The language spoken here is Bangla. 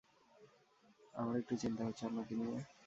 আমার একটু চিন্তা হচ্ছে আপনাকে নিয়ে।